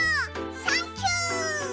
サンキュー！